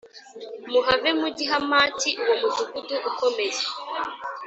muhave mujye i Hamati uwo mudugudu ukomeye